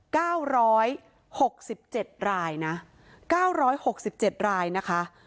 เก้าร้อยหกสิบเจ็ดรายนะเก้าร้อยหกสิบเจ็ดรายนะคะ